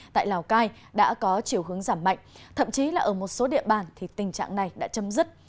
tại lào cai đã có chiều hướng giảm mạnh thậm chí là ở một số địa bàn thì tình trạng này đã chấm dứt